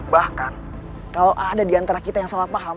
bahkan kalau ada di antara kita yang salah paham